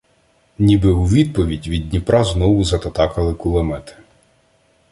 Ніби у відповідь від Дніпра знову зататакали кулемети.